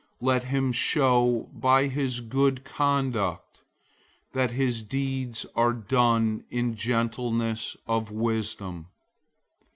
Let him show by his good conduct that his deeds are done in gentleness of wisdom.